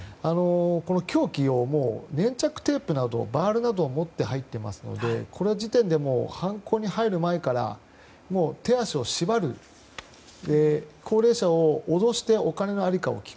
凶器を粘着テープなどバール持って入っていますのでこの時点で犯行に入る前から手足を縛る高齢者を脅してお金のありかを聞く。